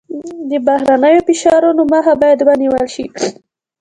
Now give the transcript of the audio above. د بهرنیو فشارونو مخه باید ونیول شي.